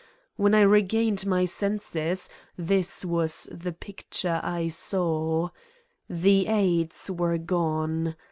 When I regained my senses this was the picture I saw: the aides were gone.